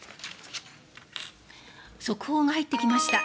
速報が入ってきました。